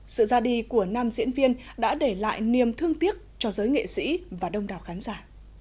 sự ra đi của nam diễn viên đã để lại niềm thương tiếc cho giới nghệ sĩ và đông đảo khán giả